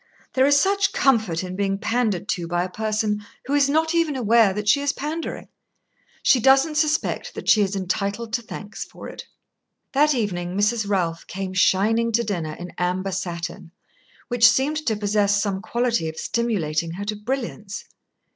There is such comfort in being pandered to by a person who is not even aware that she is pandering. She doesn't suspect that she is entitled to thanks for it." That evening Mrs. Ralph came shining to dinner in amber satin, which seemed to possess some quality of stimulating her to brilliance.